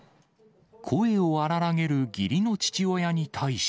声を荒らげる義理の父親に対し。